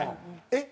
えっ！